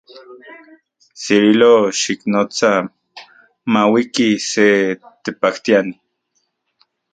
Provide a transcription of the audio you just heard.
Cirilo, xiknotsa mauiki se tepajtiani.